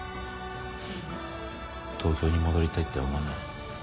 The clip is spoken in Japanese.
東京に戻りたいって思わない？